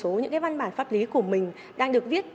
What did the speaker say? chưa nói đến một số văn bản pháp lý của mình đang được viết